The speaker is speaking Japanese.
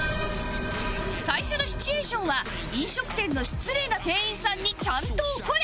最初のシチュエーションは飲食店の失礼な店員さんにちゃんと怒れ